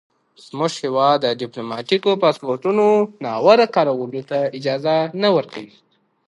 زموږ هېواد د ډیپلوماتیکو پاسپورټونو ناوړه کارولو ته اجازه نه ورکوي.